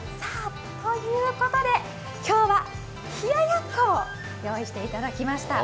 今日は冷ややっこを用意していただきました。